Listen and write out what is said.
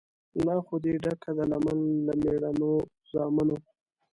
لا خو دي ډکه ده لمن له مېړنو زامنو